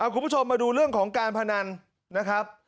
คุณผู้ชมมาดูเรื่องของการพนันนะครับ